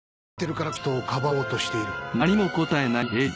わかってるからこそその人をかばおうとしている。